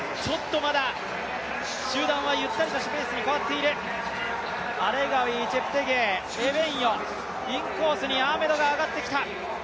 ちょっとまだ、集団はゆったりとしたペースに変わっているアレガウィ、チェプテゲイ、エベンヨ、インコースにアーメドが上がってきた。